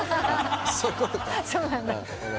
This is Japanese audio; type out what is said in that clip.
そうなんだ。